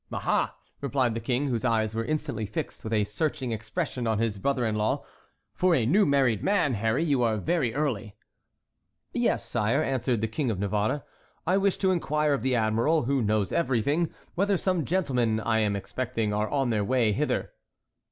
"Aha!" replied the King, whose eyes were instantly fixed with a searching expression on his brother in law; "for a new married man, Harry, you are very early." "Yes, sire," answered the King of Navarre, "I wished to inquire of the admiral, who knows everything, whether some gentlemen I am expecting are on their way hither."